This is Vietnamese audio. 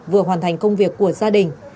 vừa hoàn thành công việc của gia đình